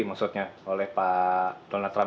maksudnya oleh pak donald trump